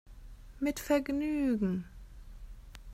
Mit Vergnügen!